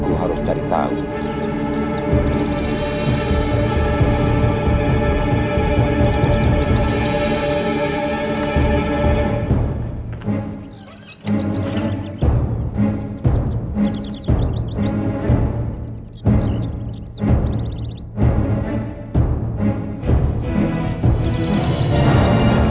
kalau saya itu yang menyuruh pak karta